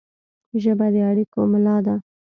ژبه د اړیکو ملا ده